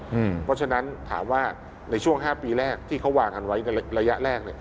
เพราะฉะนั้นถามว่าในช่วง๕ปีแรกที่เขาวางกันไว้ในระยะแรก